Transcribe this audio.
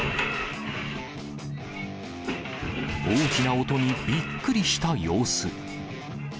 大きな音にびっくりした様子。